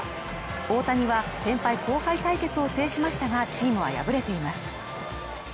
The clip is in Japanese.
大谷は先輩後輩対決を制しましたがチームは敗れています。